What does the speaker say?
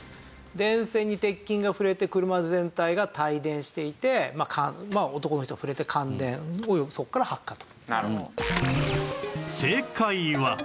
電線に鉄筋が触れて車全体が帯電していて男の人が触れて感電およびそこから発火と。